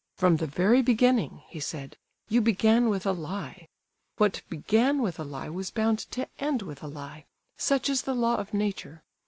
"From the very beginning," he said, "you began with a lie; what began with a lie was bound to end with a lie; such is the law of nature.